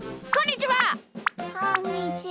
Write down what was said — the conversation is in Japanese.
こんにちは！